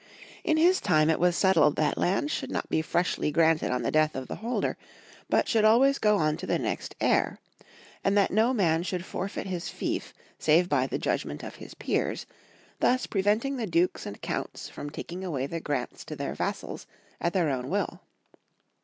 In his time it was settled that lands should not be freshly granted on the death of the holder, but should always go on to the next heir ; and that no man should forfeit liis fief save by the judgment of his peers, thus prevent ing the dukes and counts from taking away the grants to their vassals at their own will.